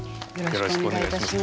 よろしくお願いします。